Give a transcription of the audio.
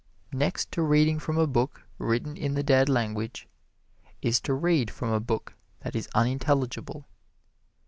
Next to reading from a book written in the dead language, is to read from a book that is unintelligible.